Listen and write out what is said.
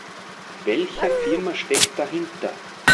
Welche Firma steckt dahinter?